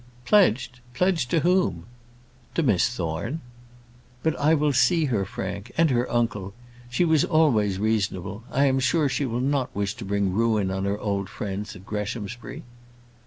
"Pledged! Pledged to whom?" "To Miss Thorne." "But I will see her, Frank; and her uncle. She was always reasonable. I am sure she will not wish to bring ruin on her old friends at Greshamsbury."